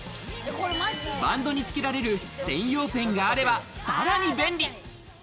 バンドにつけられる専用ペンがあればさらに便利。